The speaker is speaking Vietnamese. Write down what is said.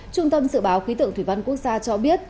trung tâm dự báo khí tượng thủy văn quốc gia cho biết